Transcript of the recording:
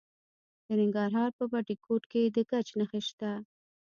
د ننګرهار په بټي کوټ کې د ګچ نښې شته.